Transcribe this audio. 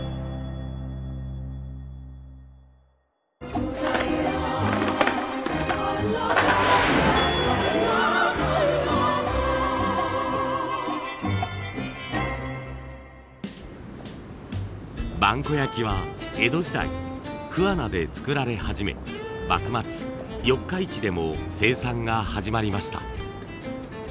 主婦の方やね萬古焼は江戸時代桑名で作られ始め幕末四日市でも生産が始まりました。